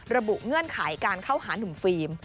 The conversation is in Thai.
เงื่อนไขการเข้าหานุ่มฟิล์ม